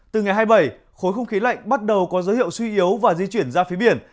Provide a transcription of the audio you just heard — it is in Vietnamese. từ ngày hai mươi bảy khối không khí lạnh bắt đầu có dấu hiệu suy yếu và di chuyển ra phía biển